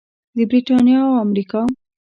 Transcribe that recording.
د بریتانیا او امریکا.